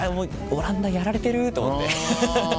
オランダやられてると思ってハハハハ。